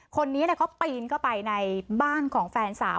คนนี้เขาปีนเข้าไปในบ้านของแฟนสาว